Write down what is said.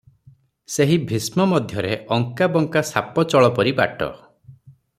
ସେହି ଭୀଷ୍ମ ମଧ୍ୟରେ ଅଙ୍କା ବଙ୍କା ସାପଚଳ ପରି ବାଟ ।